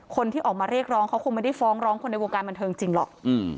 คนที่ออกมาเรียกร้องเขาคงไม่ได้ฟ้องร้องคนในวงการบันเทิงจริงหรอก